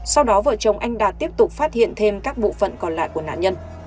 sau đó vợ chồng anh đạt tiếp tục phát hiện thêm các bộ phận còn lại của nạn nhân